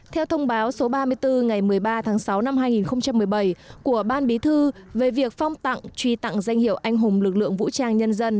theo thông báo số ba mươi bốn ngày một mươi ba tháng sáu năm hai nghìn một mươi bảy của ban bí thư về việc phong tặng truy tặng danh hiệu anh hùng lực lượng vũ trang nhân dân